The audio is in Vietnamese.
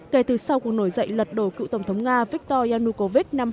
kể từ sau cuộc nổi dậy lật đổ cựu tổng thống nga viktor yanukovych năm hai nghìn một mươi bốn